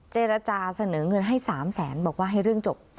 เจรจาเสนอเงินให้๓แสนบอกว่าให้เรื่องจบ